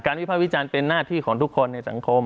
วิภาควิจารณ์เป็นหน้าที่ของทุกคนในสังคม